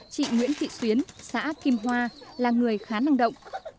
chị nguyễn thị xuyến xã kim hoa là người khá năng động